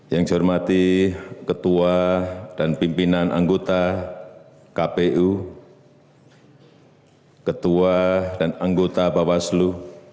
yang saya hormati ketua dan pimpinan anggota kpu ketua dan anggota bawaslu